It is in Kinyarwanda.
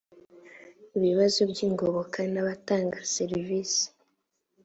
ibibazo by ingoboka n abatanga servisi